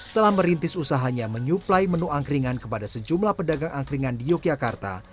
telah merintis usahanya menyuplai menu angkringan kepada sejumlah pedagang angkringan di yogyakarta